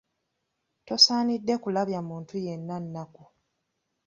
Tosaanidde kulabya muntu yenna nnaku.